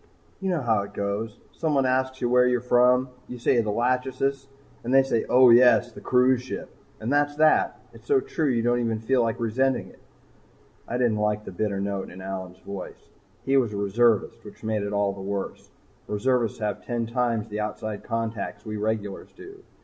You know how it goes someone asks where you're from. You say the 'Lachesis' and they say 'Oh, yes, the cruise ship.' And that's that. It's so true you don't even feel like resenting it." I didn't like the bitter note in Allyn's voice. He was a reservist, which made it all the worse. Reservists have ten times the outside contacts we regulars do.